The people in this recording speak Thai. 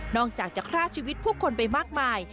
อกจากจะฆ่าชีวิตผู้คนไปมากมาย